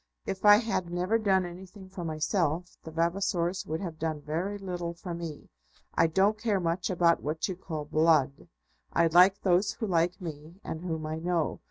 If I had never done anything for myself, the Vavasors would have done very little for me. I don't care much about what you call 'blood.' I like those who like me, and whom I know.